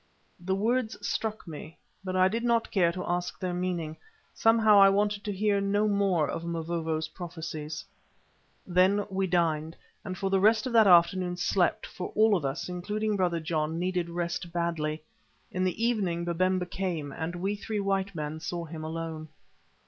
The words struck me, but I did not care to ask their meaning. Somehow I wanted to hear no more of Mavovo's prophecies. Then we dined, and for the rest of that afternoon slept, for all of us, including Brother John, needed rest badly. In the evening Babemba came, and we three white men saw him alone.